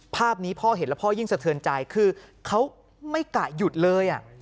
ภาพนี้พ่อเห็นแล้วพ่อยิ่งสะเทือนใจคือเขาไม่กะหยุดเลย